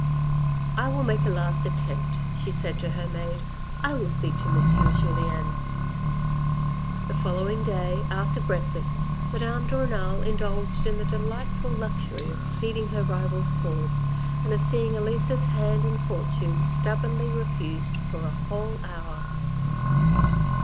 " I will make a last attempt," she said to her maid. " I will speak to M. Julien." The following day, after breakfast, Madame de Renal indulged in the delightful luxury of pleading her rival's cause, and of seeing Elisa's hand and fortune stubbornly refused for a whole hour.